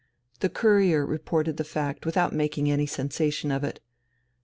The Courier reported the fact without making any sensation of it.